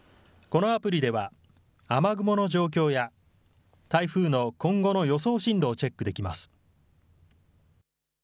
このアプリでは、雨雲の状況や台風の今後の予想進路をチェックできます。